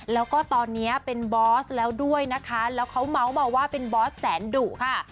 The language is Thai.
แล้วก็ตอนนี้เป็นบอสแล้วด้วยนะคะแล้วเขาเมาส์มาว่าเป็นบอสแสนดุค่ะ